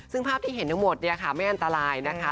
ซึ่งภาพที่เห็นทั้งหมดเนี่ยค่ะไม่อันตรายนะคะ